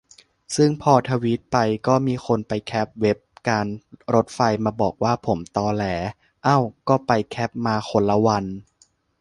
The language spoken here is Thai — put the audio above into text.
ซึ่งพอทวีตไป ก็มีคนไปแคปเว็บการรถไฟมาบอกว่าผมตอแหล เอ้า ก็ไปแคปมาคนละวัน